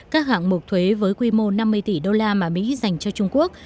các hạng mục thuế với quy mô năm mươi tỷ đô la mà mỹ dành cho trung quốc